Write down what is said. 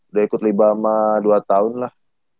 udah ikut libama dua tahun lah